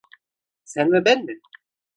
Sen ve ben mi?